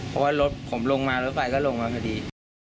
เพราะว่ารถผมลงมารถไฟก็ลงมาพอดี